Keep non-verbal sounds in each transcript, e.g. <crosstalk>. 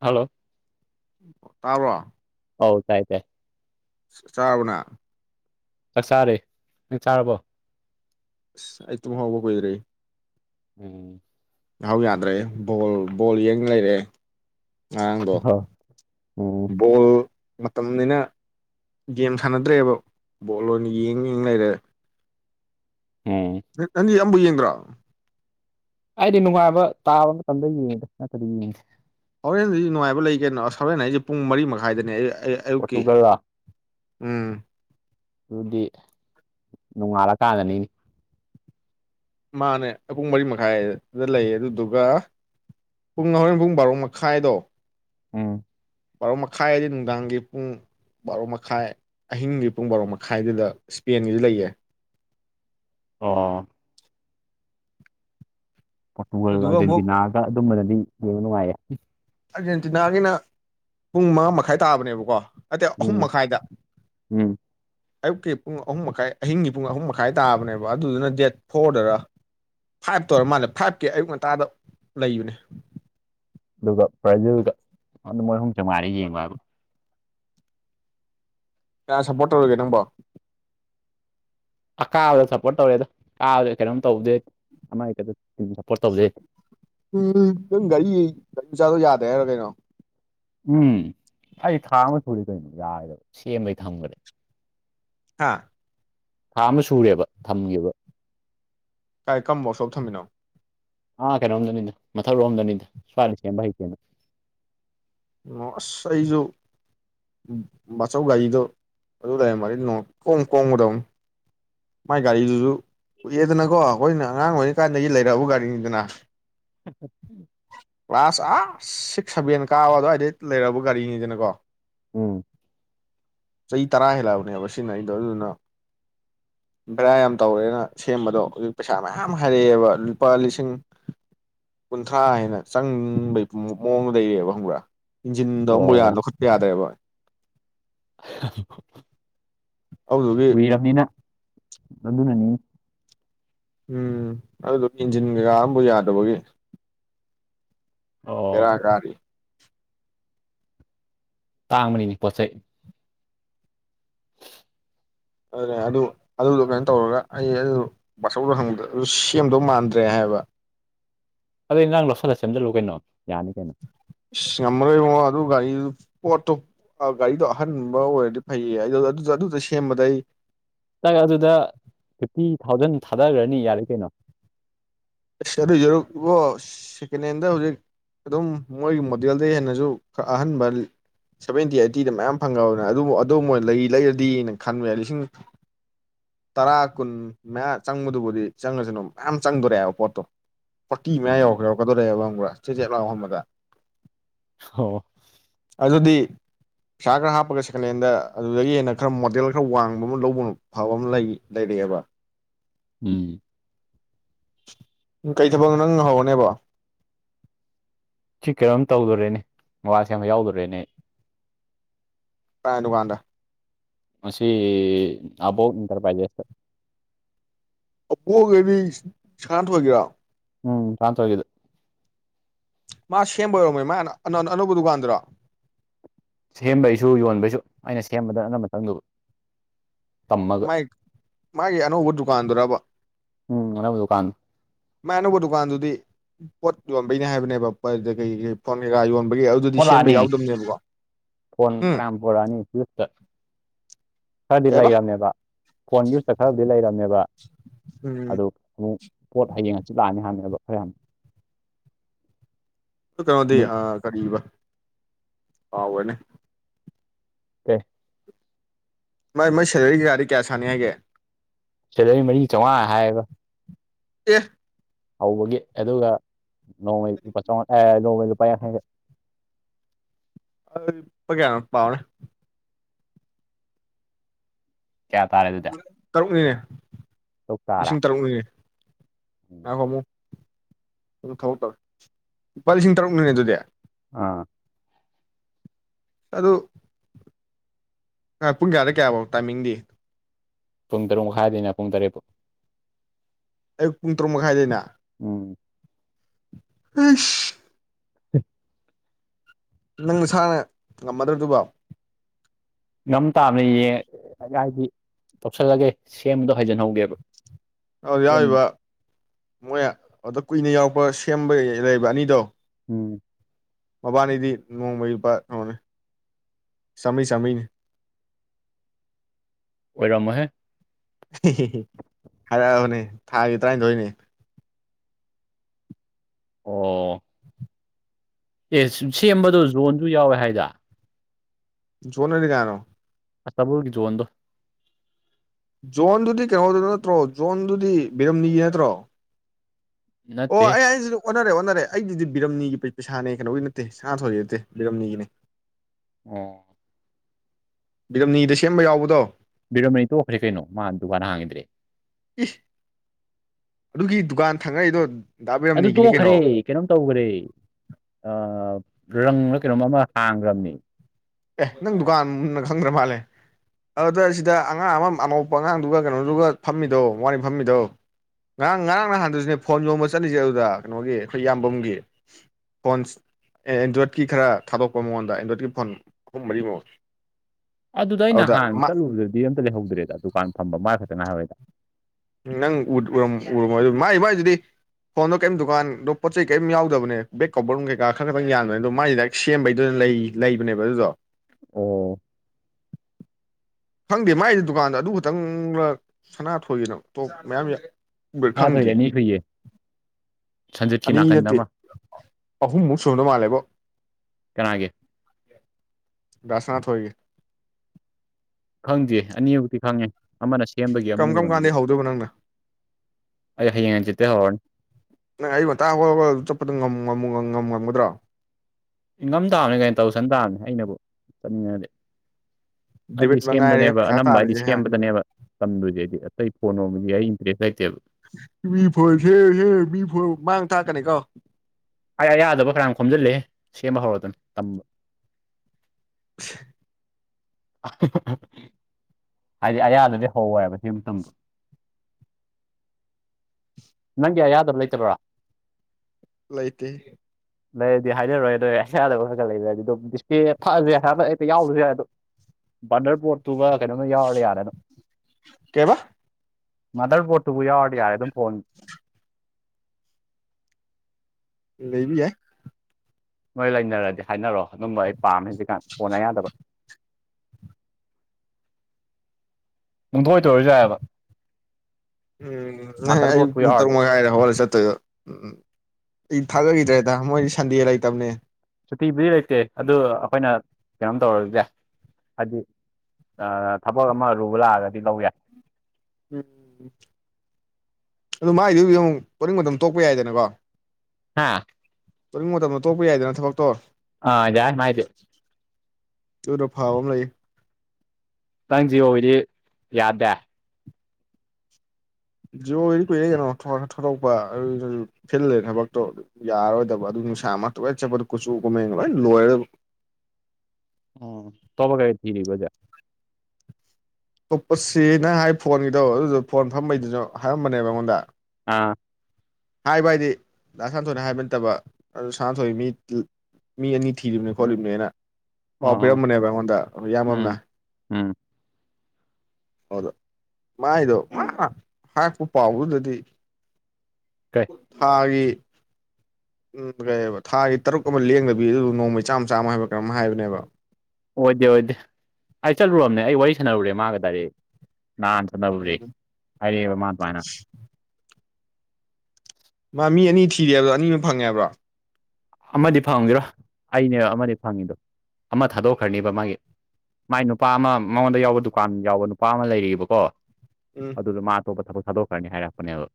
Hello ꯇꯥꯕꯔ‌ꯣ ꯍꯥꯎ ꯇꯥꯏ ꯇꯥꯏ ꯆꯥꯛ ꯆꯥꯔꯕ‌ꯣ ꯅꯪ ꯆꯥꯛ ꯆꯥꯔꯦ ꯅꯪ ꯆꯥꯔꯕꯣ ꯑꯁ ꯑꯩ ꯇꯨꯝ ꯍꯥꯎꯕ ꯀꯨꯏꯗꯔꯤ ꯎꯝ ꯌꯥꯍꯥꯎ ꯌꯥꯗ꯭ꯔꯦ ꯕꯣꯜ ꯕꯣꯜ ꯌꯦꯡ ꯂꯩꯔꯦ ꯉꯔꯥꯡꯗꯣ ꯍꯣꯏ ꯎꯝ ꯕꯣꯜ ꯃꯇꯝꯅꯤ ꯅ ꯒꯦꯝ ꯁꯥꯟꯅꯗ꯭ꯔꯦꯕ ꯕꯣꯜ ꯑꯣꯏꯅ ꯌꯦꯡ ꯌꯦꯡ ꯂꯩꯔꯦ ꯎꯝ ꯅꯪꯗꯤ ꯑꯝꯕꯨ ꯌꯦꯡꯗꯔ‌ꯣ ꯑꯩꯗꯤ ꯅꯨꯡꯉꯥꯏꯕ ꯇꯥꯕ ꯃꯇꯝ ꯗ ꯌꯦꯡꯉꯦ ꯅꯠꯇ꯭ꯔꯗꯤ ꯌꯦꯡꯗ‌ꯦ ꯍꯣꯔꯦꯟꯗꯩꯗꯤ ꯅꯨꯡꯉꯥꯏꯕ ꯂꯩ ꯀꯩꯅꯣ ꯑꯁ ꯍꯣꯔꯦꯟ ꯍꯥꯏꯁꯦ ꯄꯨꯡ ꯃꯔꯤ ꯃꯈꯥꯏꯗꯅꯦ ꯑꯩ ꯑꯌꯨꯛꯀꯤ ꯄꯣꯔꯇꯨꯒꯜꯂꯣ ꯎꯝ ꯑꯗꯨꯗꯤ ꯅꯣꯡꯉꯥꯜꯂ ꯀꯥꯟꯗꯅꯤ ꯃꯥꯅꯦ ꯄꯨꯡ ꯃꯔꯤ ꯃꯈꯥꯏꯗ ꯂꯩꯌꯦ ꯑꯗꯨꯗꯨꯒ ꯄꯨꯡ ꯍꯧꯔꯦꯟ ꯄꯨꯡ ꯕꯥꯔꯣ ꯃꯈꯥꯏꯗꯣ ꯎꯝ ꯕꯥꯔꯣ ꯃꯈꯥꯏ ꯍꯥꯏꯗꯤ ꯅꯨꯡꯗꯥꯡꯒꯤ ꯄꯨꯡ ꯕꯥꯔꯣ ꯃꯈꯥꯏ ꯑꯍꯤꯡꯒꯤ ꯄꯨꯡ ꯕꯥꯔꯣ ꯃꯈꯥꯏꯗꯨꯗ ꯏꯁ꯭ꯄꯦꯟꯒꯤꯁꯨ ꯂꯩꯌꯦ ꯑꯣ ꯨꯒꯜꯒ ꯑꯗꯨꯗꯨꯒ ꯑꯃꯨꯛ ꯑꯥꯔꯖꯦꯟꯇꯤꯅꯥꯒ ꯑꯗꯨꯝꯕꯗꯗꯤ ꯌꯦꯡ ꯅꯨꯡꯉꯥꯏꯌꯦ ꯑꯥꯔꯖꯦꯟꯇꯤꯅꯥꯒꯤꯅ ꯄꯨꯡ ꯃꯉꯥ ꯃꯈꯥꯏ ꯇꯥꯕꯅꯦꯕꯀꯣ꯫ ꯑꯇꯩ ꯑꯍꯨꯝ ꯎꯝ ꯃꯈꯥꯏꯗ꯫ ꯎꯝ ꯑꯌꯨꯛꯀꯤ ꯄꯨꯡ ꯑꯍꯨꯝ ꯃꯈꯥꯏ ꯑꯍꯤꯡꯒꯤ ꯄꯨꯡ ꯑꯍꯨꯝ ꯃꯈꯥꯏ ꯇꯥꯕꯅꯦꯕ ꯑꯗꯨꯗꯨꯅ ꯗꯦꯠ ꯐꯣꯔ ꯗꯥꯔ꯫ ꯐꯥꯏꯚꯇ ꯑꯣꯏꯔ ꯃꯥꯜꯂꯦ ꯐꯥꯏꯚꯀꯤ ꯑꯌꯨꯛ ꯉꯟꯇꯥꯗ ꯂꯩꯕꯅꯦ꯫ ꯑꯗꯨꯒ ꯄ꯭ꯔꯖꯤꯜꯗ ꯃꯣꯏ ꯑꯍꯨꯝ ꯆꯥꯝꯃꯉꯥꯗ ꯌꯦꯡꯕ ꯍꯥꯏꯕ꯫ ꯀꯅꯥ ꯁꯞꯄꯣꯔꯠ ꯇꯧꯔꯤꯒꯦ ꯅꯪꯕꯣ꯫ ꯑ ꯀꯥꯕꯗ ꯁꯞꯄꯣꯔꯠ ꯇꯧꯔꯦꯗ ꯀꯥꯕꯗ ꯀꯩꯅꯣꯝ ꯇꯧꯕꯗꯩ <unintelligible> ꯇꯧꯖꯩ꯫ ꯎꯝ ꯅꯪ ꯒꯥꯔꯤ ꯒꯥꯔꯤ ꯃꯆꯥꯗꯣ ꯌꯥꯗꯦ ꯍꯥꯏꯔꯣ ꯀꯩꯅꯣ꯫ ꯎꯝ ꯑꯩ ꯊꯥ ꯑꯃ ꯁꯨꯔꯦ ꯀꯩꯅꯣ ꯌꯥꯏꯒꯤꯗꯕ ꯁꯦꯝꯕꯩ ꯊꯝꯒꯔꯦ꯫ ꯍꯥꯥ꯫ ꯊꯥ ꯑꯃ ꯁꯨꯔꯦꯕ ꯊꯝꯒꯤꯕ꯫ ꯀꯥꯏ ꯀꯔꯝꯕ ꯋꯥꯛꯁꯣꯞ ꯊꯝꯃꯤꯅꯣ꯫ ꯑꯥ ꯀꯩꯅꯣꯝꯗꯅꯤꯅ ꯃꯊꯥꯛꯔꯣꯝꯗꯅꯤꯗ ꯁ꯭ꯋꯥꯏꯗ ꯁꯦꯝꯕ ꯍꯩꯇꯦꯅ꯫ ꯑꯣ ꯑꯁ ꯑꯩꯁꯨ꯫ ꯃꯆꯧ ꯒꯥꯔꯤꯗꯣ ꯑꯗꯨ ꯂꯩꯔꯝꯃꯗꯤ ꯅꯣꯡ ꯏꯀꯣꯝ ꯀꯣꯝꯒꯗꯧꯅꯤ꯫ ꯃꯥꯏ ꯒꯥꯔꯤꯗꯨꯁꯨ ꯀꯨꯏꯔꯦꯗꯅꯀꯣ ꯑꯩꯈꯣꯏꯅ ꯑꯉꯥꯡ ꯑꯣꯏꯔꯤꯀꯥꯟꯗꯒꯤ ꯂꯩꯔꯛꯑꯕ ꯒꯥꯔꯤꯅꯤꯗꯅ꯫ <unintelligible> ꯀ꯭ꯂꯥꯁ ꯑꯥ ꯁꯤꯛꯁ ꯁꯚꯦꯟ ꯀꯥꯕ ꯑꯗꯨꯋꯥꯏꯗꯩ ꯂꯩꯔꯕ ꯒꯥꯔꯤꯅꯤꯗꯅꯀꯣ꯫ ꯎꯝ꯫ ꯆꯍꯤ ꯇꯔꯥ ꯍꯦꯜꯂꯛꯑꯕꯅꯦꯕ ꯁꯤꯖꯤꯟꯅꯔꯤꯗꯣ ꯑꯗꯨꯗꯨꯅ ꯚꯦꯔꯥ ꯌꯥꯝ ꯇꯧꯔꯦꯅ ꯁꯦꯝꯕꯗꯣ ꯍꯧꯖꯤꯛ ꯄꯩꯁꯥ ꯃꯌꯥꯝ ꯍꯥꯏꯔꯛꯑꯦꯕ ꯂꯨꯄꯥ ꯂꯤꯁꯤꯡ ꯀꯨꯟꯊ꯭ꯔꯥ ꯍꯥꯏꯅ ꯆꯪꯕꯩ ꯃꯑꯣꯡꯗ ꯂꯩꯌꯦꯕ ꯈꯪꯕꯔꯥ ꯏꯟꯖꯤꯟꯗꯣ ꯑꯃꯨꯛ ꯑꯣ ꯂꯧꯈꯠ ꯌꯥꯗꯔꯦꯕ ꯑꯗꯨꯗꯨꯒꯤ꯫ ꯀꯨꯏꯔꯝꯅꯤꯅ ꯑꯗꯨꯅꯅꯤ꯫ ꯎꯝ ꯑꯗꯨꯗꯨ ꯏꯟꯖꯤꯟ ꯀꯩꯀꯥ ꯑꯃꯐꯥꯎ ꯌꯥꯗꯕꯒꯤ꯫ ꯑꯣ ꯕꯦꯔꯥꯒꯥꯔꯤ꯫ ꯇꯥꯡꯕꯅꯤꯅꯦ ꯄꯣꯠꯆꯩ꯫ ꯑꯗꯨꯅꯦ ꯑꯗꯨ ꯑꯗꯨꯗꯣ ꯀꯩꯅꯣ ꯇꯧꯔꯒ ꯑꯩ ꯑꯗꯨ ꯕꯥꯆꯧꯗ ꯍꯪꯕꯗ ꯑꯗꯨ ꯁꯦꯝꯗꯧ ꯃꯥꯟꯗ꯭ꯔꯦ ꯍꯥꯏꯕ꯫ ꯑꯗꯨꯗꯤ ꯅꯪ ꯂꯧꯁꯤꯜꯂ ꯁꯦꯝꯖꯤꯜꯂꯨ ꯀꯩꯅꯣ ꯌꯥꯅꯤ ꯀꯩꯅꯣ꯫ ꯉꯝꯃꯔꯣꯏ ꯏꯕꯨꯡꯉꯣ ꯑꯗꯨ ꯒꯥꯔꯤ ꯄꯣꯠꯇꯣ ꯑꯥꯎ ꯒꯥꯔꯤꯗꯣ ꯑꯍꯟꯕ ꯑꯣꯏꯔꯗꯤ ꯐꯩꯌꯦ ꯑꯩ ꯑꯗꯨꯗ ꯁꯦꯝꯕꯗ ꯑꯩ ꯇꯥꯛ ꯑꯗꯨꯗ ꯐꯤꯐꯇꯤ ꯊꯥꯎꯖꯟ ꯊꯥꯗꯈ꯭ꯔꯅꯤ ꯌꯥꯔꯦ ꯀꯩꯅꯣ꯫ ꯏꯁ ꯑꯗꯣꯏ ꯁꯔꯨꯛ ꯏꯕꯣ ꯁꯦꯀꯦꯟꯍꯦꯟꯗ ꯍꯧꯖꯤꯛ ꯑꯗꯨꯝ ꯃꯣꯏꯒꯤ ꯃꯣꯗꯦꯜꯗ ꯍꯦꯟꯅꯁꯨ ꯈꯔ ꯑꯍꯟꯕ ꯁꯚꯦꯟꯇꯤ ꯑꯥꯏꯠꯇꯤꯗ ꯃꯌꯥꯝ ꯐꯪꯉꯕꯅꯦ ꯑꯗꯨꯕꯨ ꯑꯗꯨꯝꯕ ꯂꯩ ꯂꯩꯔꯗꯤꯅ ꯈꯟꯕ ꯌꯥꯏ ꯂꯤꯁꯤꯡ ꯇꯔꯥ ꯀꯨꯟ ꯃꯌꯥ ꯆꯪꯕꯗꯨꯕꯨꯗꯤ ꯆꯪꯉꯁꯅꯨ ꯃꯌꯥꯝ ꯆꯪꯗꯣꯔꯦ ꯍꯥꯏꯕ꯫ ꯄꯣꯠꯇꯣ ꯐꯣꯔꯇꯤ ꯃꯌꯥ ꯎꯝ ꯌꯧꯔꯛ ꯌꯧꯔꯛꯀꯗꯣꯔꯦꯕ ꯈꯪꯕ꯭ꯔꯥ ꯆꯦꯆꯦꯠ ꯂꯥꯎꯑꯣ ꯍꯟꯕꯗ꯫ ꯑꯣ꯫ ꯑꯗꯨꯗꯤ ꯄꯩꯁꯥ ꯈꯔ ꯍꯥꯞꯄꯒ ꯁꯦꯀꯦꯟꯍꯦꯟꯗ ꯑꯗꯨꯗꯒꯤ ꯍꯦꯟꯅ ꯈꯔ ꯃꯣꯗꯦꯜ ꯈꯔ ꯋꯥꯡꯕ ꯑꯃ ꯂꯧꯕ ꯐꯕ ꯑꯃ ꯂꯩꯔꯛꯑꯦꯕ꯫ ꯎꯝ꯫ ꯀꯩ ꯊꯕꯛꯅꯣ ꯅꯪ ꯍꯧꯍꯔꯅꯦꯕꯣ꯫ ꯁꯤ ꯀꯩꯅꯣꯝ ꯇꯧꯗꯣꯔꯦꯅꯦ ꯃꯣꯕꯥꯜꯁꯦꯝꯕ ꯌꯥꯎꯗꯣꯔꯦꯅꯦ꯫ ꯀꯅꯥꯏ ꯗꯨꯀꯥꯟꯗ꯫ ꯃꯁꯤ ꯑꯕꯣ ꯏꯇꯔ ꯄꯥꯏꯗꯔꯦꯁꯇ꯫ ꯑꯕꯣꯛ ꯍꯥꯏꯗꯤ ꯁꯥꯅ ꯊꯣꯏꯒꯤꯗꯣ꯫ ꯎꯝ ꯁꯥꯅꯥ ꯊꯣꯏꯒꯤꯗꯨ꯫ ꯃꯥ ꯁꯦꯝꯕ ꯑꯣꯏꯔꯝꯃꯣꯏ ꯃꯥꯅ ꯑꯅꯩ ꯑꯅꯧꯕ ꯗꯨꯀꯥꯟꯗꯨꯔꯣ꯫ ꯁꯦꯝꯕꯩꯁꯨ ꯌꯣꯟꯕꯩꯁꯨ ꯑꯩꯅ ꯁꯦꯝꯕꯗ ꯑꯉꯝꯕꯇ꯫ <unintelligible> ꯃꯥꯒꯤ ꯃꯥꯒꯤ ꯑꯅꯧꯕ ꯗꯨꯀꯥꯟꯗꯨꯔꯥꯕ ꯎꯝ ꯑꯅꯧꯕ ꯗꯨꯀꯥꯟ ꯃꯥꯏ ꯑꯅꯧꯕ ꯗꯨꯀꯥꯟꯗꯨꯗꯤ ꯄꯣꯠ ꯌꯣꯟꯕꯩꯅꯦ ꯍꯥꯏꯕꯅꯦꯕ <unintelligible> ꯀꯩ ꯀꯩ ꯐꯣꯟ ꯀꯩꯀꯥ ꯌꯣꯟꯕꯒꯤ ꯑꯗꯨꯗꯤ ꯄꯣꯠ ꯁꯦꯝꯕ ꯂꯥꯛꯑꯅꯤ ꯌꯥꯎꯗꯕꯅꯦꯕꯀꯣ ꯐꯣꯟ ꯎꯝ ꯇꯔꯥꯄꯔꯛꯑꯅꯤꯇ ꯈꯔꯗꯤ ꯀꯩꯕ ꯂꯩꯅꯦꯕ ꯐꯣꯟ ꯌꯨꯁꯇ ꯈꯔꯕꯨꯗꯤ ꯂꯩꯔꯝꯃꯦꯕ ꯎꯝ ꯑꯗꯨ ꯑꯃꯨ ꯄꯣꯠ ꯍꯌꯦꯡ ꯑꯁꯤ ꯑꯁꯤ ꯂꯥꯛꯑꯅꯤ ꯍꯥꯏꯃꯦꯕ ꯐꯔ ꯌꯥꯝꯅ ꯑꯗꯨ ꯀꯩꯅꯣꯗꯤ ꯑ ꯀꯔꯤꯕ ꯀꯥꯎꯒ꯭ꯔꯦꯅꯦ <unintelligible> ꯃꯥꯏ ꯃꯥꯏ ꯁꯦꯂꯔꯤꯒꯤ ꯀꯥꯗꯤ ꯀꯌꯥ ꯁꯥꯅꯤ ꯍꯥꯏꯒꯦ ꯁꯦꯂꯔꯤ ꯃꯔꯤ ꯆꯥꯝꯃꯉꯥ ꯍꯥꯏꯒ ꯑꯦꯦꯛ ꯍꯧꯕꯒꯤ ꯑꯗꯨꯒ ꯅꯣꯡꯃꯩ ꯂꯨꯄꯥ ꯆꯃꯉ ꯑꯦ ꯅꯣꯡꯃꯩ ꯂꯨꯄꯥ ꯌꯥꯡꯈꯩꯒ ꯏ ꯀꯌꯥꯅ ꯄꯥꯎꯅꯦ ꯀꯌꯥ ꯇꯥꯔꯦ ꯑꯗꯨꯗ ꯇꯔꯨꯛꯅꯤꯅꯦ ꯂꯤꯁꯤꯡ ꯇꯔꯨꯛꯅꯤꯅꯦ ꯎꯝ ꯉꯈꯣ ꯑꯃꯨꯛ ꯑꯗꯨ ꯊꯕꯛ ꯇꯧꯔꯦ ꯂꯨꯄꯥ ꯂꯤꯁꯤꯡ ꯇꯔꯨꯛꯅꯤꯅꯦ ꯑꯗꯨꯗꯤ ꯑꯥ ꯑꯗꯨꯗ ꯄꯨꯡ ꯉꯒꯥꯔ ꯀꯌꯥꯕꯥꯎꯣ ꯇꯥꯏꯃꯤꯡꯗꯤꯦ ꯄꯨꯡ ꯇꯔꯨꯛ ꯃꯈꯥꯏꯗꯅ ꯄꯨꯡ ꯇꯔꯦꯠ ꯑꯌꯨꯛ ꯄꯨꯡ ꯇꯔꯨꯛ ꯃꯈꯥꯏꯗꯩꯅ ꯎꯝ ꯑꯁ <unintelligible> ꯅꯪ ꯅ ꯁꯥꯥꯅ ꯉꯝꯃꯗ꯭ꯔꯕꯗꯨꯕ ꯉꯝ ꯇꯥꯕꯅꯤ ꯌꯦꯡꯉ ꯍꯥꯏꯗꯤ ꯇꯧꯁꯜꯂꯒꯦ ꯁꯦꯝꯕꯗꯣ ꯍꯩꯖꯟꯍꯧꯒꯦꯕ ꯑ ꯌꯥꯎꯔꯤꯕ ꯃꯣꯏ ꯑꯗꯨꯗ ꯀꯨꯏꯅ ꯌꯥꯎꯔꯛꯄ ꯁꯦꯝꯕ ꯂꯩꯕ ꯑꯅꯤꯗꯣ ꯎꯝ ꯃꯕꯥꯅꯤꯗꯤ ꯅꯣꯡꯃ ꯂꯨꯄꯥ ꯀꯣꯅꯦ ꯆꯥꯝꯃꯩ ꯆꯥꯝꯃꯩꯅꯤ ꯑꯣꯏꯔꯝꯃꯍꯦ ꯍꯦ ꯍꯦ ꯍꯦ ꯍꯥꯏꯔꯛꯑꯕꯅꯦ ꯊꯥꯒꯤ ꯇꯔꯥꯅꯤꯊꯣꯏꯅꯦ ꯑꯣ ꯑꯦ ꯁꯦꯝꯕꯗꯣ ꯖꯣꯟꯁꯨ ꯌꯥꯎꯋꯦ ꯍꯥꯏꯗ ꯖꯣꯟꯅꯗꯤ ꯀꯥꯟꯅꯣ ꯑꯁꯕꯨꯔꯒꯗꯨꯨꯣꯟꯣ ꯖꯣꯟꯗꯨꯗꯤ ꯀꯩꯍꯧꯗꯅ ꯅꯠꯇ꯭ꯔꯣ ꯖꯣꯟꯗꯨꯗꯤ ꯕꯤꯔꯝꯅꯤꯒꯤ ꯅꯠꯇ꯭ꯔꯣ ꯑꯣ ꯅꯠꯇꯦ ꯑꯩꯁꯤꯗ ꯑꯣꯟꯅꯔꯦ ꯑꯣꯟꯅꯔꯦ ꯑꯩꯁꯤꯗꯤ ꯕꯤꯔꯝꯅꯤꯒꯤ ꯄꯩꯁꯥꯅꯦ ꯀꯩꯅꯣꯒꯤ ꯅꯠꯇꯦ ꯁꯥꯅꯥꯊꯣꯏꯒꯤ ꯅꯠꯇꯦ ꯕꯤꯔꯝꯅꯤꯒꯤꯅꯦ ꯑꯣ ꯕꯤꯔꯝꯅꯤꯗ ꯁꯦꯝꯕ ꯌꯥꯎꯕꯗꯣ ꯕꯤꯔꯝꯃꯅꯤ ꯇꯣꯛꯈ꯭ꯔꯦ ꯀꯩꯅꯣ ꯃꯥ ꯗꯄꯀꯥꯟ ꯍꯥꯡꯈꯤꯗ꯭ꯔꯦ ꯏ ꯑꯗꯨꯒꯤ ꯗꯨꯀꯥꯟ ꯊꯪꯅꯔꯛꯏꯗꯣ ꯑꯗꯨ ꯇꯣꯛꯈꯔꯦ ꯀꯩꯅꯣꯝ ꯇꯧꯒꯔꯦ ꯑꯥ ꯔꯪꯂꯥ ꯀꯩꯅꯣꯝ ꯑꯃ ꯍꯥꯡꯒ꯭ꯔꯝꯅꯤ ꯑꯦ ꯅꯪ ꯗꯨꯀꯥꯟꯅ ꯈꯪꯗ꯭ꯔ ꯃꯥꯜꯂꯦ ꯑꯗꯨꯗ ꯁꯤꯗ ꯑꯉꯥꯡ ꯑꯃ ꯑꯅꯧꯄ ꯑꯉꯥꯡꯗꯨꯒ ꯀꯩꯅꯣꯗꯨꯒ ꯐꯝꯃꯤꯗꯣ ꯋꯥꯔꯤ ꯐꯝꯃꯤꯗꯣ ꯉꯔꯥꯡ ꯉꯔꯥꯡ ꯅꯍꯥꯟꯗꯁꯤꯅꯦ ꯐꯣꯟ ꯌꯣꯟꯕ ꯆꯠꯂꯤꯁꯦ ꯑꯗꯨꯗ ꯀꯩꯅꯣꯒꯤ ꯑꯩꯈꯣꯏ ꯌꯥꯝꯕꯒꯤ ꯐꯣꯟꯁ ꯑꯦ ꯑꯦꯟꯗ꯭ꯔꯣꯏꯗꯀꯤ ꯈꯔ ꯊꯥꯗꯣꯛꯄ ꯃꯉꯣꯟꯗ ꯑꯦꯟꯗ꯭ꯔꯣꯏꯗꯀꯤ ꯐꯣꯟ ꯍ ꯃꯔꯤꯃꯣ ꯑꯗꯨꯗ ꯑꯩꯅ ꯍꯥꯟꯅ ꯆꯠꯂꯨꯕꯗꯗꯤ ꯑꯝꯇ ꯂꯩꯍꯧꯗ꯭ꯔꯦꯗ ꯗꯨꯀꯥꯟ ꯐꯝꯕ ꯃꯥꯥ ꯈꯛꯇ ꯉꯥꯏꯍꯧꯔꯦꯗ ꯅꯪ ꯎꯔ ꯎꯔꯃꯣꯏ ꯃꯥꯥꯏ ꯃꯥꯏ ꯑꯗꯨꯗꯤ ꯐꯣꯟꯗꯣ ꯀꯩꯝ ꯗꯨꯥꯟ ꯑꯗꯣ ꯆꯩ ꯀꯩꯝ ꯌꯥꯎꯗꯕꯅꯦ ꯕꯦꯛ ꯀꯣꯔ ꯀꯩꯀ ꯈꯪ ꯌꯥꯗꯣꯏ ꯑꯗꯣ ꯃꯥꯒꯤꯁꯤꯗ ꯁꯦꯝꯕꯩꯗꯨꯅ ꯂꯩꯕꯅꯦꯕ ꯑꯗꯨꯗꯣ ꯎꯝ <unintelligible> <inaudible> ꯈꯪꯗꯦ ꯃꯥꯏꯗꯤ ꯗꯨꯀꯥꯟꯗꯣ ꯑꯗꯨ ꯈꯛꯇꯪ ꯁꯅꯥ ꯊꯣꯏꯒꯤꯅ ꯇꯣꯞ ꯃꯌꯥꯝ ꯌꯥ ꯊꯥ ꯊ ꯍꯣꯏꯔꯦꯅꯤꯈꯏꯌꯦ <inaudible> ꯑꯅꯤ ꯅꯠꯇꯦ ꯑꯃ ꯑꯍꯨꯝꯃꯨꯛ ꯁꯨꯗꯧ ꯃꯥꯜꯂꯦꯕꯣ ꯀꯅꯥꯒꯤ ꯗꯁꯅꯥꯊ ꯍꯣꯏꯌꯦ ꯈꯪꯗꯦ ꯑꯅꯤꯃꯨꯛꯇꯤ ꯈꯪꯉꯦ ꯑꯃꯅ ꯁꯦꯝꯕꯒꯤ ꯀꯔꯝ ꯑꯃꯅ ꯀꯔꯝ ꯌꯣꯟꯕꯒꯤ ꯀꯥꯟꯗꯩ ꯍꯧꯗꯣꯏꯕ ꯅꯪꯅ ꯑꯩ ꯍꯌꯦꯡ ꯍꯟꯆꯤꯠꯇꯤ ꯍꯧꯔꯅꯤ ꯅꯪ ꯑꯩ ꯃꯇꯥꯡ ꯈꯔꯒ ꯆꯠꯄꯗꯨꯣ ꯉꯝꯃꯨ ꯉꯝ ꯉꯪꯒꯗ꯭ꯔꯣ ꯉꯝ ꯇꯥꯕꯅꯤ ꯀꯩꯅꯣ ꯇꯧꯁꯟ ꯇꯥꯕꯅꯤ ꯑꯩꯅꯕꯨ ꯆꯠꯅꯤꯡꯉꯗꯤ ꯗꯦꯕꯤꯠ ꯑꯗꯨꯗꯤ ꯃꯉꯥꯏꯔꯦ ꯁꯦꯝꯕꯅꯦꯕ ꯄꯩꯁꯥ ꯑꯅꯝꯕ ꯇꯥꯜꯂꯤꯁꯦ ꯍꯥꯏꯗꯤ ꯍꯥ ꯁꯦꯝꯕꯗꯅꯦꯕ ꯇꯝꯗꯣꯏꯁꯦ ꯑꯩꯗꯤ ꯑꯇꯩ ꯐꯣꯟ ꯅꯣꯡꯗꯤ ꯑꯩ ꯏꯟꯇꯔꯦꯁ ꯂꯩꯇꯦꯕ ꯃꯤ ꯐꯣꯏ ꯍꯦ ꯍꯦ ꯃꯤ ꯐ ꯃꯥꯡ ꯊꯥꯛꯀꯅꯤ ꯀꯣ ꯑꯩ ꯑꯌꯥꯗꯕ ꯈꯔ ꯌꯥꯝ ꯈꯣꯝꯖꯤꯜꯂꯦ ꯁꯦꯝꯕ ꯍꯧꯔꯗꯅ ꯇꯝꯕ <inaudible> <unintelligible> ꯍꯥꯏꯗꯤ ꯑꯌꯥꯗꯗꯤ ꯍꯧꯋꯦꯕ ꯁꯤ ꯃꯇꯝꯗ ꯅꯪ꯭ꯌꯥ ꯌꯥꯗ꯭ꯔ ꯂ ꯂꯩꯇꯔꯕ꯭ꯔꯥ ꯂꯩꯥꯏꯇ ꯂꯩꯗꯤ ꯍꯥꯏꯅꯔꯣꯏ ꯑꯗꯨ ꯍꯥꯏ ꯌꯥꯗꯕ ꯈꯔ ꯈ ꯂꯩꯔꯗꯤ ꯑꯗꯨꯝ ꯗꯤꯁꯀꯦ ꯐꯛꯑꯁꯨ ꯌꯥꯏ ꯍꯦꯛꯇ ꯌꯥꯎꯕꯁꯨ ꯌꯥꯏ ꯑꯗꯨ ꯃꯗꯔꯕꯣꯔꯗꯇꯨꯒꯥ ꯀꯩꯅꯣꯒ ꯌꯥꯎꯔꯗꯤ ꯌꯥꯔꯦ ꯑꯗꯨꯝ ꯀꯩꯕ ꯃꯥꯗꯔ ꯕꯣꯔꯠꯇꯨꯕꯨ ꯌꯥꯎꯔꯗꯤ ꯌꯥꯔꯦ ꯑꯗꯨꯝ ꯐꯣꯟ ꯂꯩꯕ ꯌꯥꯏ ꯅꯣꯏ ꯂꯩꯅꯔꯗꯤ ꯍꯥꯏꯅꯔꯣ ꯑꯗꯨꯝꯕ ꯑꯩ ꯄꯥꯝꯃꯦ ꯍꯧꯖꯤꯛꯀꯥꯟ ꯐꯣꯟꯅ ꯌꯥꯗꯕ <inaudible> <unintelligible> ꯅꯨꯡꯊꯣꯏꯗꯧꯔꯁꯨꯏꯑꯕ ꯎꯝ ꯅꯪ ꯃꯥꯗꯔ ꯍꯌꯦꯡ ꯑꯌꯨꯛ ꯕꯣꯔꯠꯄꯨ ꯄꯨꯡ ꯇꯔꯨꯛ ꯌꯥꯎꯔꯗꯤ ꯃꯈꯥꯏꯗ ꯍꯧꯒꯠꯂꯥ ꯆꯠꯇꯣꯏꯕ ꯎꯝ ꯎꯝ ꯑꯩ ꯊꯥꯖꯈꯤꯗ꯭ꯔꯦꯗ ꯃꯣꯏꯗꯤ ꯁꯟꯗꯦ ꯂꯩꯇꯕꯅꯦ ꯁꯨꯇꯤꯕꯨꯗꯤ ꯂꯩꯇꯦ ꯑꯗꯨ ꯑꯩꯈꯣꯏꯅ ꯀꯩꯅꯣꯝ ꯇꯧꯔꯗꯤꯦ ꯍꯥꯏꯗꯤ ꯊꯕꯛ ꯑꯃ ꯑꯔꯨꯕ ꯂꯥꯛꯑꯒꯗꯤ ꯂꯧ ꯌꯥꯦꯏ ꯎꯝ ꯑꯗꯨ ꯃꯒꯤꯗꯨ ꯑꯃꯨꯛ ꯄꯣꯅꯤꯡ ꯃꯇꯝ ꯇꯣꯛꯄ ꯌꯥꯏꯗꯅꯀꯣ ꯍꯥ <inaudible> <unintelligible> ꯇꯣꯅꯤꯡꯕ ꯃꯇꯝꯗꯣ ꯇꯣꯛꯄ ꯌꯥꯏꯗꯅ ꯊꯕꯛꯇꯣ ꯑ ꯌꯥꯖꯁ ꯃꯥꯥꯏꯦ ꯑꯗꯨꯗꯣ ꯐꯥꯕ ꯑꯃ ꯂꯩꯌꯦ ꯅꯪꯁꯤ ꯑꯣꯏꯗꯤ ꯌꯥꯗꯦ ꯖꯤꯑꯣꯗꯤ ꯀꯨꯏꯔꯦ ꯀꯩꯅꯣ ꯊꯗꯛꯄ ꯑꯗꯨ ꯐꯤ ꯂꯩꯔꯦ ꯊꯕꯛꯇꯣ ꯑꯗꯨ ꯌꯥꯔꯣꯏꯗꯕ ꯑꯗꯨ ꯅꯨꯡꯁꯥ ꯑꯃ ꯇꯣꯏꯅ ꯆꯠꯄꯗ ꯀꯨꯆꯨ ꯀꯨꯃꯦꯟ ꯂꯣꯏ ꯂꯣꯏꯔꯣꯏ ꯑꯣ ꯇꯃ ꯀ ꯑꯩ ꯊꯔꯤꯒꯖꯥ <inaudible> <unintelligible> ꯑꯣꯛꯄꯁꯤ ꯅꯪ ꯍꯥꯏ ꯐꯣꯟꯒꯤꯗꯣ ꯑꯗꯨꯗꯣ ꯐꯣꯟ ꯐꯝꯕꯩꯗꯨꯅ ꯍꯥꯏꯔꯝꯕꯅꯦꯕ ꯑꯩꯉꯣꯟꯗ ꯑꯥ <inaudible> <unintelligible> ꯍꯥꯏꯕ ꯍꯥꯏꯗꯤ ꯂ ꯁꯥꯟꯊꯣꯏꯅ ꯍꯥꯏꯕ ꯅꯠꯇꯕ ꯑꯗꯨ ꯁꯥꯟꯊꯣꯏ ꯃꯤ ꯃꯤ ꯑꯅꯤ ꯊꯤꯔꯤꯕꯅꯦ ꯈꯣꯠꯂꯤꯕꯅꯦꯅ ꯄꯥꯎ ꯑꯣ ꯑꯣ ꯄꯤꯔꯝꯕꯅꯦꯕ ꯑꯩꯉꯣꯟꯗ ꯎꯝ ꯏꯌꯥꯝꯅ ꯎꯝ <inaudible> <unintelligible> ꯑꯗꯣ ꯃꯥꯏꯗꯣ ꯍꯥꯄ ꯄꯥꯎꯗꯨꯗꯗꯤ ꯀꯩ ꯊꯥꯒꯤ ꯎꯝ ꯀꯩꯕ ꯊꯥꯒꯤ ꯇꯔꯨꯛ ꯑꯃ ꯂꯦꯡꯗꯕꯤ ꯑꯗꯨ ꯅꯣꯡꯃꯩ ꯆꯥꯝꯃ ꯆꯥꯝꯃ ꯍꯥꯏꯕ ꯀꯔꯝ ꯍꯥꯏꯕꯅꯦꯕ ꯑꯣꯏꯗꯦ ꯑꯣꯏꯗꯦ ꯑꯩ ꯆꯠꯂꯨꯔꯕꯅꯦ ꯑꯩ ꯋꯥꯔꯤ ꯁꯥꯟꯅꯔꯨꯔꯦ ꯃꯥꯒ ꯗꯥꯏꯔ ꯅꯍꯥꯟ ꯆꯠ ꯅꯕꯨꯗ ꯍꯥꯏꯔꯦꯕ ꯃꯥ ꯑꯗꯨꯃꯥꯏꯅ ꯃꯥ ꯃꯤ ꯑꯅꯤ ꯊꯤꯔꯦꯑꯕꯗꯣ ꯑꯅꯤ ꯑꯃ ꯐꯪꯉꯦꯕ꯭ꯔꯣ ꯑꯃꯗꯤ ꯐꯪꯗꯔꯣ ꯑꯩꯅꯦꯕ ꯑꯃꯗꯤ ꯐꯪꯉꯤꯗꯣ ꯑꯃ ꯊꯥꯗꯣꯛꯈ꯭ꯔꯅꯤꯕ ꯃꯥꯒꯤ ꯃꯥꯏ ꯅꯨꯄꯥ ꯑꯃ ꯃꯉꯣꯟꯗ ꯌꯥꯎꯕ ꯗꯨꯀꯥꯟ ꯌꯥꯎꯕ ꯅꯨꯄꯥ ꯑꯃ ꯂꯩꯔꯤꯕꯀꯣ ꯎꯝ ꯑꯗꯨꯗ ꯃꯥ ꯑꯇꯣꯞꯄ ꯊꯕꯛ ꯊꯥꯗꯣꯛꯈ꯭ꯔꯅꯤ ꯍꯥꯏꯔꯛꯄꯅꯦꯕ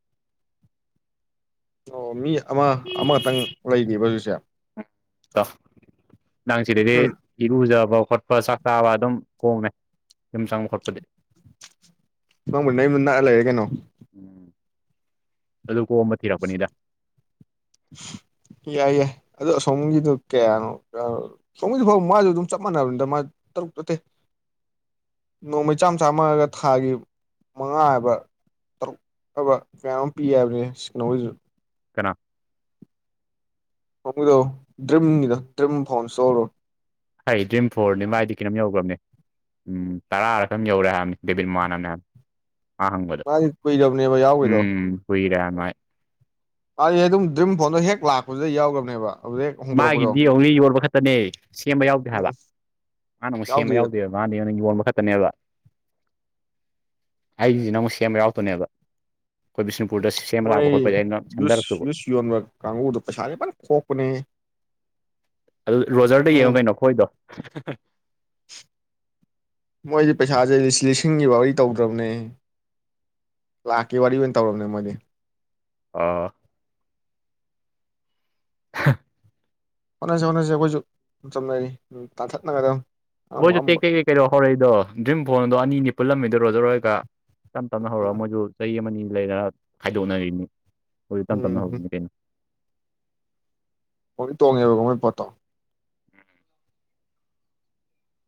ꯑꯣ ꯃꯤ ꯑꯃ ꯑꯃꯈꯛꯇꯪ ꯂꯩꯅꯦꯕ ꯍꯧꯖꯤꯛꯁꯦ ꯇꯣ ꯅꯪ ꯁꯤꯔꯤꯗꯤ ꯎꯝ <inaudible> ꯏꯔꯨꯖꯕ ꯈꯣꯠꯄ ꯆꯥꯛ ꯆꯥꯕ ꯑꯗꯨꯝ ꯀꯣꯡꯃꯦ ꯌꯨꯝ ꯆꯪꯕ ꯈꯣꯠꯄꯗꯤ ꯅꯪꯕꯨ ꯅꯌꯨꯝꯁꯨ ꯅꯛꯑ ꯂꯩꯔꯦ ꯀꯩꯅꯣ ꯎꯝ ꯑꯗꯨ ꯀꯣꯝꯕ ꯊꯤꯔꯛꯄꯅꯤꯗ ꯌꯥꯏ ꯌꯥꯏ ꯑꯗꯨ ꯑꯁꯣꯝꯒꯤꯗꯨ ꯀꯌꯥꯅꯣ ꯁꯣꯝꯒꯤꯁꯨ ꯐꯥꯎꯕ ꯃꯥꯁꯨ ꯑꯗꯨꯝ ꯆꯞ ꯃꯥꯟꯅꯕꯅꯤꯗ ꯃꯥ ꯇꯔꯨꯛ ꯆꯠꯇꯦ ꯅꯣꯡꯃꯩ ꯆꯥꯝ ꯆꯥꯝꯃꯒ ꯊꯥꯒꯤ ꯃꯉꯥ ꯍꯥꯏꯕ ꯇꯔꯨꯛ ꯐꯕ ꯃꯌꯥꯝ ꯑꯃ ꯄꯤ ꯍꯥꯏꯕꯅꯦ ꯁꯤ ꯀꯩꯅꯣꯁꯤꯁꯨ ꯀꯅꯥ ꯐꯣꯡꯒꯤꯗꯣ ꯗ꯭ꯔꯤꯝꯒꯤꯗꯣ ꯗ꯭ꯔꯤꯝ ꯐꯣꯟꯏꯁꯇꯣꯔꯗꯣ ꯑꯩ ꯗ꯭ꯔꯤꯝ ꯐꯣꯔꯅꯤ ꯃꯥꯏꯗꯤ ꯀꯤꯩꯅꯣꯝ ꯌꯧꯈ꯭ꯔꯕꯅꯦ ꯎꯝ ꯇꯔꯥꯔꯛꯇꯝ ꯌꯧꯔꯦ ꯍꯥꯏꯕꯅꯤ ꯗꯦꯕꯤꯠ ꯃꯥꯟꯅꯅꯦ ꯍꯥꯏꯕ ꯑꯍꯥꯡꯕꯗ ꯃꯥꯗꯤ ꯀꯨꯏꯔꯕꯅꯦꯕ ꯌꯥꯎꯈꯤꯗꯣ ꯎꯝ ꯀꯨꯏꯔꯦ <unintelligible> ꯑꯩ ꯑꯩ ꯑꯗꯨꯝ ꯗ꯭ꯔꯤꯝ ꯐꯣꯟꯗꯣ ꯍꯦꯛ ꯂꯥꯛꯄꯗꯨꯗ ꯌꯥꯎꯔꯕꯅꯦꯕ ꯃꯥꯒꯤꯗꯤ ꯑꯃꯨꯛꯅꯤ ꯌꯣꯟꯕ ꯈꯛꯇꯅꯦ ꯁꯦꯝꯕ ꯌꯥꯎꯗꯦ ꯎꯝ ꯍꯥꯏꯕ ꯃꯥꯅ ꯑꯃꯨꯛ ꯁꯦꯝꯕ ꯌꯥꯎꯗꯦ ꯌꯥꯎꯗꯣꯏꯕ ꯃꯥꯗꯤ ꯅꯪꯒꯤ ꯌꯣꯟꯕ ꯈꯛꯇꯅꯦꯕ ꯑꯩꯒꯤꯁꯤꯅ ꯑꯃꯨꯛ ꯁꯦꯝꯕ ꯌꯥꯎꯗꯅꯦꯕ ꯑꯩꯈꯣꯏ ꯕꯤꯁꯅꯨꯄꯨꯔꯗ ꯁꯦꯝꯕ ꯃꯣꯏ ꯂꯥꯛꯄ ꯈꯣꯠꯄꯁ ꯑꯩꯅ ꯅ ꯖꯨꯁ ꯁꯦꯝꯗꯔꯛꯇꯨꯕ ꯖꯨꯁ ꯌꯣꯟꯕ ꯀꯥꯡꯕꯨꯗꯣ ꯄꯩꯁꯥꯗꯤ ꯐꯖꯟ ꯈꯣꯛꯄꯅꯦꯍꯦ ꯑꯗꯨ ꯔꯣꯖꯔꯗ ꯎꯝ ꯌꯦꯡꯉꯣ ꯀꯩꯅꯣ ꯈꯣꯏꯗꯣ ꯃꯣꯏꯗꯤ ꯄꯩꯁꯥꯁꯦ ꯂꯤꯁꯤꯡꯒꯤ ꯋꯥꯔꯤ ꯇꯧꯗ꯭ꯔꯕꯅꯦ ꯂꯥꯛꯀꯦ ꯋꯥꯔꯤ ꯑꯣꯏꯅ ꯇꯧꯔꯕꯅꯦ ꯃꯣꯏꯗꯤ ꯑꯥ ꯍꯥ ꯍꯣꯠꯅꯁꯤ ꯍꯣꯠꯅꯁꯤ ꯑꯩꯈꯣꯏꯁꯨ ꯆꯝꯅꯔꯤ ꯇꯥꯟꯊꯠꯅꯒꯗꯕ ꯃꯣꯏꯁꯨ ꯇꯦꯛ ꯇꯦꯛ ꯇꯦꯛꯩꯗꯧ ꯍꯧꯔꯛꯏꯗꯣ ꯗ꯭ꯔꯤꯝ ꯐꯣꯟꯗꯣ ꯑꯅꯤ ꯄꯨꯜꯂꯝꯃꯤꯗꯔꯣꯏꯖꯔꯣꯏꯔꯒ ꯇꯞ ꯇꯞꯅ ꯍꯧꯔꯒ ꯃꯣꯏꯁꯨ ꯆꯍꯤ ꯑꯃꯅꯤ ꯂꯩꯔꯒ ꯍꯥꯏꯗꯣꯛꯅꯔꯤꯅꯤ ꯍꯧꯖꯤ ꯇꯝ ꯇꯅ ꯍꯧꯧꯕꯅꯤꯡꯅꯤ ꯎꯝ ꯀꯩꯅꯣ ꯃꯣꯏ ꯇꯣꯡꯉꯦꯕꯀꯣ ꯃꯣꯏ ꯄꯣꯠꯇꯣ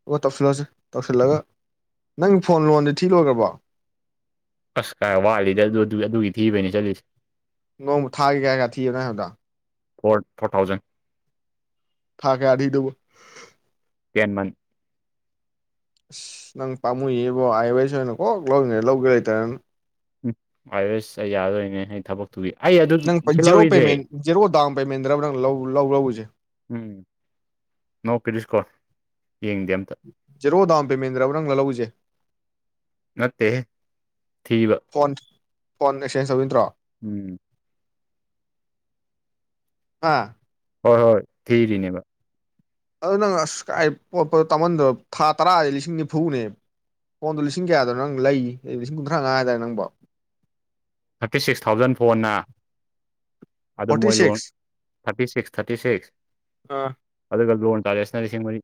ꯑꯣ ꯇꯧꯁꯤꯜꯂꯁꯤ ꯇꯧꯁꯤꯜꯂꯒ ꯅꯪꯒꯤ ꯐꯣꯟ ꯂꯣꯟꯗꯤ ꯊꯤ ꯂꯣꯏꯈ꯭ꯔꯕꯣ ꯑꯁ ꯈꯥꯏ ꯋꯥꯠꯂꯤꯗ ꯑꯗꯨ ꯑꯗꯨꯒꯤ ꯊꯤꯕꯅꯤ ꯆꯠꯂꯤꯁꯦ ꯅꯣꯡꯃ ꯊꯥꯒꯦ ꯀꯌꯥ ꯀꯌꯥ ꯊꯤꯕꯅꯣ ꯍꯥꯏꯕꯗ ꯐꯣꯔ ꯐꯣꯔ ꯊꯥꯎꯖꯟ ꯊꯥ ꯀꯦ ꯑꯙꯗꯕ <inaudible> <unintelligible> ꯇꯦꯟ ꯃꯟ ꯑꯁ ꯅꯪ ꯄꯥꯃꯨꯏꯕꯣ ꯑꯥꯏ ꯑꯦ ꯋꯥꯏꯁ ꯑꯣꯏꯅ ꯀꯣꯛ ꯂꯧꯔꯤꯉꯩ ꯂꯧꯒꯦ ꯂꯩꯇꯔꯅ ꯎꯝ ꯑꯌꯁ ꯑꯩ ꯌꯥꯔꯣꯏꯅꯦ ꯑꯩ ꯊꯕꯛ ꯇ ꯑ ꯑꯗꯨ ꯅꯪ ꯁꯤ ꯖꯤꯔꯣ ꯂꯧꯔꯤꯁꯦ ꯄꯦꯃꯦꯟ ꯖꯦꯔꯣ ꯗꯥꯎꯟ ꯄꯦꯃꯦꯟꯗ꯭ꯔꯕ ꯅꯪ ꯂꯧꯎꯁꯦ ꯎꯝ ꯅꯣ ꯄꯤꯔꯤꯁꯀꯣ ꯌꯦꯡꯗꯦ ꯑꯝꯇ ꯖꯦꯔꯣ ꯗꯥꯝ ꯄꯦꯃꯦꯟꯗ꯭ꯔꯕ ꯅꯪꯅ ꯂꯧꯎꯁꯦ ꯅꯠꯇꯦ ꯊꯕ ꯐꯣꯟ ꯐꯣꯟ ꯑꯦꯛꯁꯆꯦꯟꯁ ꯇꯧꯗꯣꯏ ꯅꯠꯇ꯭ꯔꯣ ꯎꯝ ꯑꯥ ꯍꯣꯏ ꯍꯣꯏ ꯊꯤꯔꯤꯅꯦꯕ ꯑꯗꯨ ꯅꯪ ꯑꯁ ꯄꯣꯠꯄꯗꯣ ꯇꯝꯍꯟꯗ꯭ꯔꯕ ꯊꯥ ꯇꯔꯥꯗꯤꯩ ꯂꯤꯁꯤꯡ ꯅꯤꯐꯨꯅꯦꯕ ꯐꯣꯟꯗꯣ ꯂꯤꯁꯤꯡ ꯀꯌꯥꯗꯣ ꯅꯪ ꯂꯩ ꯂꯤꯁꯤꯡ ꯀꯨꯟꯊ꯭ꯔꯥ ꯃꯉꯥ ꯍꯥꯏꯇꯥꯔꯦ ꯅꯪꯕꯣ ꯊꯥꯔꯇꯤ ꯁꯤꯛꯁ ꯊꯥꯎꯖꯟ ꯐꯣꯟꯅ ꯑꯗꯨ ꯐꯣꯔꯇꯤ ꯃꯣꯏꯔꯣꯟ six thirty six thirty six ꯑ ꯑꯗꯨꯒ ꯂꯣꯟ ꯇꯥꯔꯦꯁꯅ ꯂꯤꯁꯤꯡ ꯃꯔꯤ